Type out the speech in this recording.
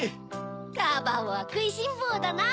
カバオはくいしんぼうだな！